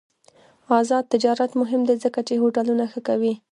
آزاد تجارت مهم دی ځکه چې هوټلونه ښه کوي.